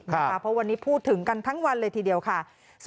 เพราะวันนี้พูดถึงกันทั้งวันเลยทีเดียวค่ะ